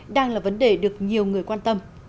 đang là vấn đề được nhiều người quan tâm